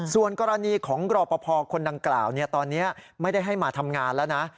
ส่วนกรณีของรอปภคนดังกล่าวตอนนี้ไม่ได้ให้มาทำงานแล้วนะ